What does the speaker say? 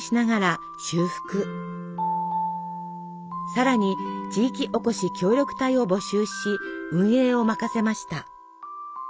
さらに地域おこし協力隊を募集し運営を任せました。